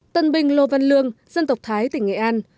tân binh lô văn lương dân tộc thái tỉnh nghệ an